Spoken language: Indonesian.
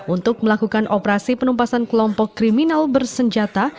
untuk melakukan operasi penumpasan kelompok kriminal bersenjata